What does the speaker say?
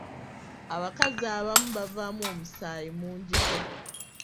Abakazi abamu bavaamu omusaayi mungiko.